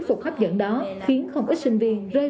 khi chị đủ tiền rồi